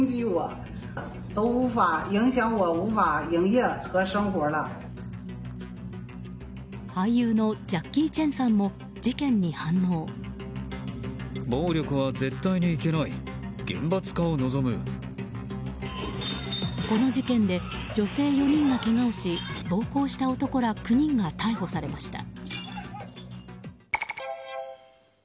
この事件で女性４人がけがをし暴行した男ら９人が逮捕されました。